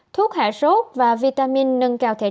thuốc hạ sốt và vitamin nâng cao thể trí